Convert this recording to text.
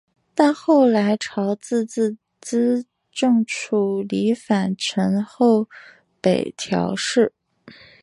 但后来朝直自资正处离反臣从后北条氏。